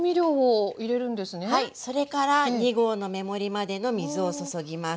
それから２合の目盛りまでの水を注ぎます。